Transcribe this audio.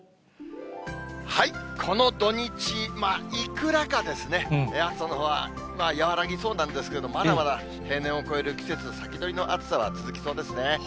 この土日、いくらかですね、暑さのほうは和らぎそうなんですけども、まだまだ平年を超える季節先取りの暑さは続きそうですね。